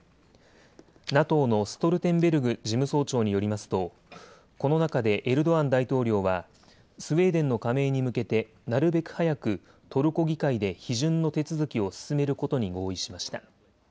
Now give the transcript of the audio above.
ＮＡＴＯのストルテンベルグ事務総長によりますとこの中でエルドアン大統領はスウェーデンの加盟に向けてなるべく早くトルコ議会で批准の手続きを進めることに合意しました。